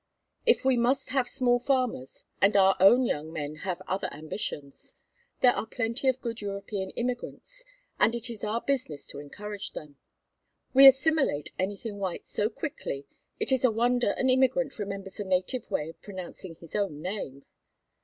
If we must have small farmers and our own young men have other ambitions, there are plenty of good European immigrants, and it is our business to encourage them. We assimilate anything white so quickly it is a wonder an immigrant remembers the native way of pronouncing his own name.